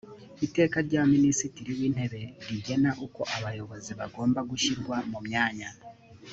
iteka rya minisitiri w’intebe rigena uko abayobozi bagomba gushyirwa mu myanya